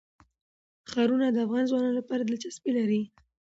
ښارونه د افغان ځوانانو لپاره دلچسپي لري.